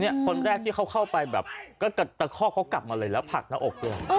เนี้ยคนแรกที่เข้าเข้าไปแบบก็จะเจอเขากลับมาเลยแล้วผักแล้วออกกัน